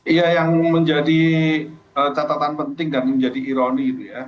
iya yang menjadi catatan penting dan menjadi ironi itu ya